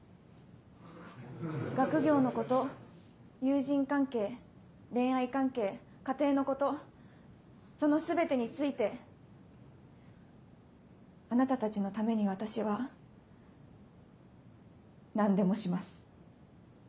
学業のこと友人関係恋愛関係家庭のことその全てについてあなたたちのために私は何でもします。